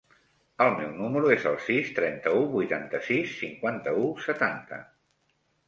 El meu número es el sis, trenta-u, vuitanta-sis, cinquanta-u, setanta.